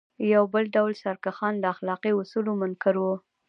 یو بل ډول سرکښان له اخلاقي اصولو منکر وو.